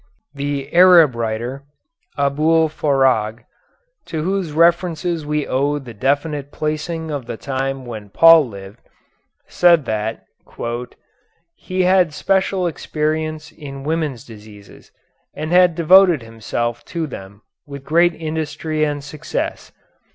The Arab writer, Abul Farag, to whose references we owe the definite placing of the time when Paul lived, said that "he had special experience in women's diseases, and had devoted himself to them with great industry and success.